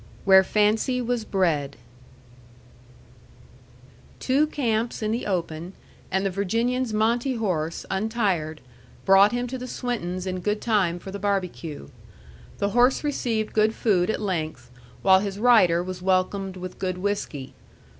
X. WHERE FANCY WAS BRED Two camps in the open, and the Virginian's Monte horse, untired, brought him to the Swintons' in good time for the barbecue. The horse received good food at length, while his rider was welcomed with good whiskey.